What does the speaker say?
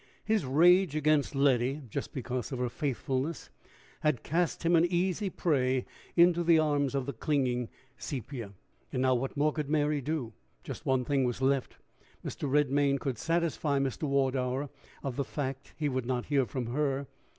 His rage against Letty, just because of her faithfulness, had cast him an easy prey into the arms of the clinging Sepia. And now what more could Mary do? Just one thing was left: Mr. Redmain could satisfy Mr. Wardour of the fact he would not hear from her!